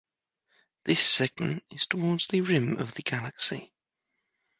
This segment is towards the rim of the galaxy.